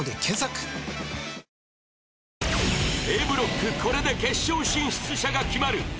Ａブロックこれで決勝進出者が決まる。